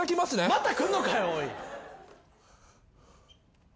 また来んのかよおい。